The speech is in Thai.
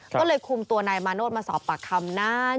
ก็เลยคุมตัวนายมาโนธมาสอบปากคำนาน